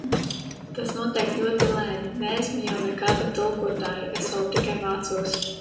Tas notiek ļoti lēni. Neesmu jau nekāda tulkotāja. Es vēl tikai mācos.